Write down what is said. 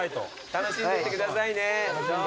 楽しんでってくださいね。